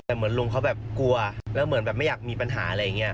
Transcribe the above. แต่เหมือนลุงเขาแบบกลัวแล้วเหมือนแบบไม่อยากมีปัญหาอะไรอย่างนี้